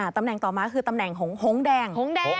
ตำแหน่งต่อมาคือตำแหน่งหงแดงหงแดง